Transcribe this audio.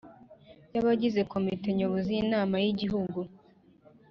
Y abagize komite nyobozi y inama y igihugu